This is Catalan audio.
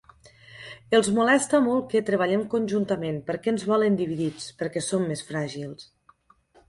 Els molesta molt que treballem conjuntament, perquè ens volen dividits, perquè som més fràgils.